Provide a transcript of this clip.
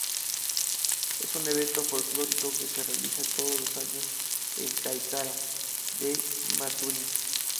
Es un evento folclórico que se realiza todo los años en Caicara de Maturín.